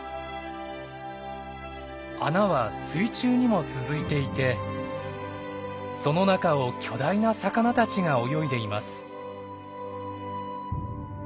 穴は水中にも続いていてその中を巨大な魚たちが泳いでいます。